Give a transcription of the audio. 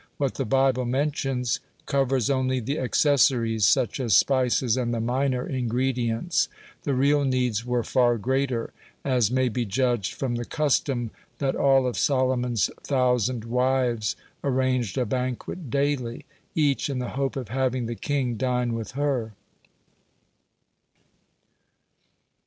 What the Bible mentions, covers only the accessories, such as spices and the minor ingredients. The real needs were far greater, as may be judged from the custom that all of Solomon's thousand wives arranged a banquet daily, each in the hope of having the king dine with her.